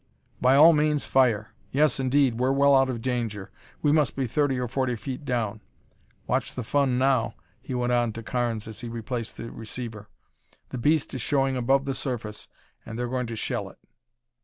By all means, fire. Yes, indeed, we're well out of danger; we must be thirty or forty feet down. Watch the fun now," he went on to Carnes as he replaced the receiver. "The beast is showing above the surface and they're going to shell it."